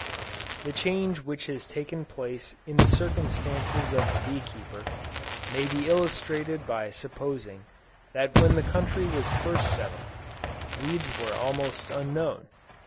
The change which has taken place in the circumstances of the bee keeper, may be illustrated by supposing that when the country was first settled, weeds were almost unknown.